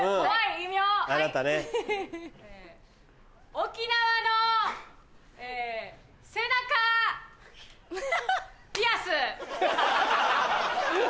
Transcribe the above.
沖縄のえ背中ピアス。